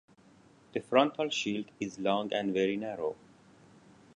The frontal shield is long and very narrow.